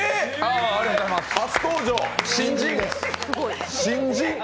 初登場、新人！